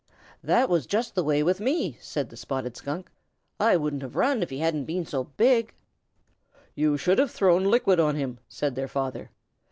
"That was just the way with me," said the Spotted Skunk. "I wouldn't have run if he hadn't been so big." "You should have thrown liquid on him," said their father.